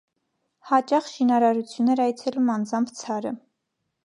Հաճախ շինարարություն էր այցելում անձամբ ցարը։